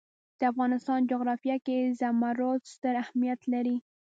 د افغانستان جغرافیه کې زمرد ستر اهمیت لري.